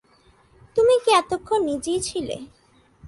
তুমি কি এতক্ষণ নিচেই ছিলে?